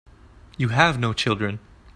You have no children.